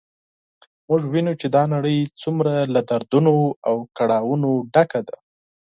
موږ وینو چې دا نړی څومره له دردونو او کړاوونو ډکه ده